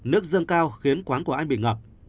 nước dâng cao khiến quán của anh bị ngập